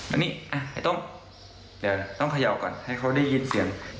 อันนี้ไอ้ต้มเดี๋ยวต้องเขย่าก่อนให้เขาได้ยินเสียง